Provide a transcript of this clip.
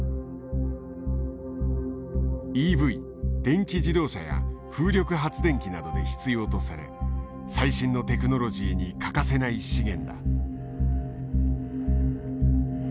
電気自動車や風力発電機などで必要とされ最新のテクノロジーに欠かせない資源だ。